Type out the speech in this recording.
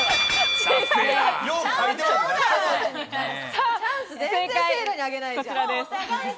さぁ正解はこちらです。